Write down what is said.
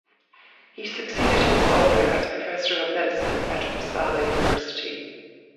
He succeeded his father as professor of medicine at Uppsala University.